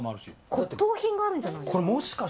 骨董品があるんじゃないですか。